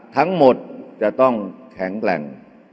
ทั้งหมดจะต้องแข็งแกร่ง